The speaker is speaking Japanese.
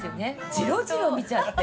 ジロジロ見ちゃって。